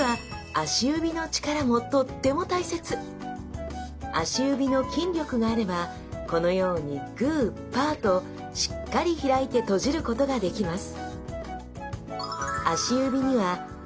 足指の筋力があればこのように「グー・パー」としっかり開いて閉じることができます